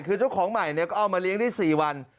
คือเจ้าของใหม่ก็เอามาเลี้ยงได้๔วัน